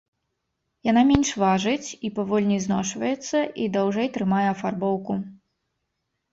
Яна менш важыць і павольней зношваецца і даўжэй трымае афарбоўку.